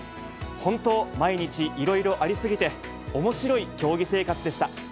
本当、毎日、いろいろあり過ぎて、おもしろい競技生活でしたっ！